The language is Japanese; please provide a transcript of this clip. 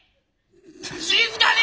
静かに！